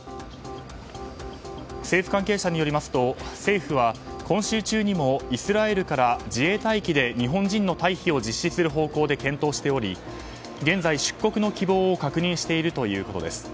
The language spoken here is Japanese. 政府関係者によりますと政府は、今週中にもイスラエルから自衛隊機で日本人の退避を実施する方向で検討しており現在、出国の希望を確認しているということです。